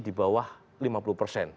di bawah lima puluh persen